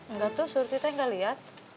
enggak tuh surti teh nggak lihat